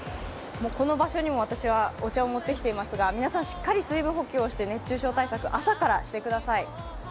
この場所にも私はお茶を持ってきていますが皆さん、しっかり水分補給をして熱中症対策、朝からしてください。